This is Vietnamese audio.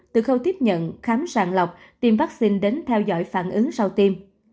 từ khâu tiếp nhận khám sàng lọc tiêm vắc xin đến theo dõi phản ứng sau tiêm